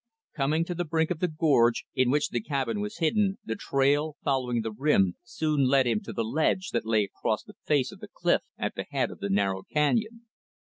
Coming to the brink of the gorge in which the cabin was hidden, the trail, following the rim, soon led him to the ledge that lay across the face of the cliff at the head of the narrow canyon.